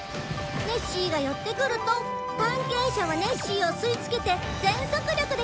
ネッシーが寄ってくると探検車はネッシーを吸いつけて全速力で帰ってくるの。